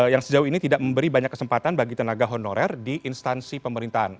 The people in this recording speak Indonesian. yang sejauh ini tidak memberi banyak kesempatan bagi tenaga honorer di instansi pemerintahan